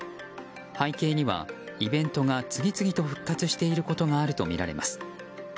背景にはイベントが次々と復活していることがあるとみられます。